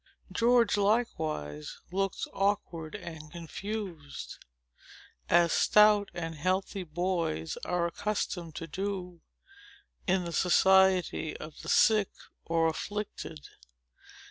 George, likewise, looked awkward and confused, as stout and healthy boys are accustomed to do, in the society of the sick or afflicted.